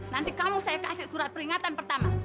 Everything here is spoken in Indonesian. nanti kamu saya kasih surat peringatan pertama